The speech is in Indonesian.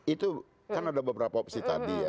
itu kan ada beberapa opsi tadi ya